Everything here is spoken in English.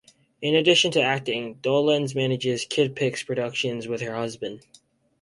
In addition to acting, Dolenz manages KidPix Productions with her husband.